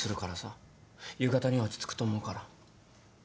夕方には落ち着くと思うから。